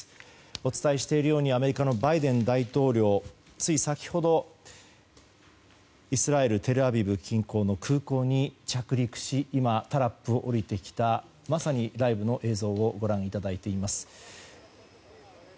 お伝えしているようにアメリカのバイデン大統領つい先ほど、イスラエルテルアビブ近郊の空港に着陸し、今タラップを降りてきたライブの映像をご覧いただいています。